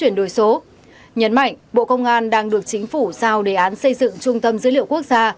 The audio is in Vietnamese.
nhấn mạnh bộ công an đang được chính phủ giao đề án xây dựng trung tâm dữ liệu quốc gia